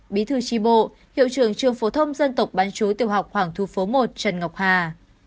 bí thư tri bộ hiệu trưởng trường phổ thông dân tộc bán chú tiểu học hoàng thu phố một trần ngọc hà